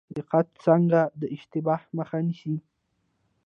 دقت څنګه د اشتباه مخه نیسي؟